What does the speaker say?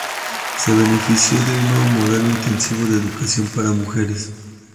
Se benefició de un nuevo modelo intensivo de educación para mujeres.